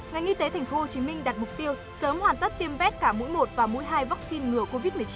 ngành y tế tp hcm đặt mục tiêu sớm hoàn tất tiêm vét cả mũi một và mũi hai vaccine ngừa covid một mươi chín